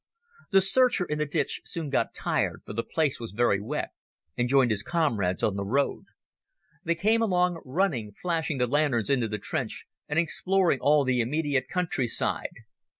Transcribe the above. The searcher in the ditch soon got tired, for the place was very wet, and joined his comrades on the road. They came along, running, flashing the lanterns into the trench, and exploring all the immediate countryside.